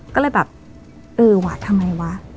ก็เลยแบบเออวะทำไมวะ